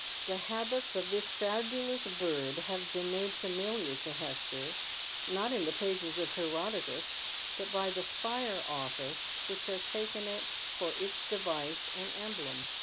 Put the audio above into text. The habits of this fabu lous bird have been made familiar to Hester, wot in the pages of Herodotus, but by the fire oflfico which has taken it for its device and emblem.